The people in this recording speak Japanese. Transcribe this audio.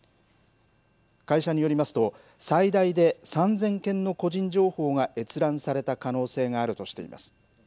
会社によりますと、最大で３０００件の個人情報が閲覧された可能性があるとしています。